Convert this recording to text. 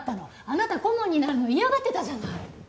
あなた顧問になるの嫌がってたじゃない。